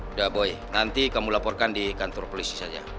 sudah boy nanti kamu laporkan di kantor polisi saja